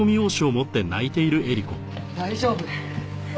大丈夫。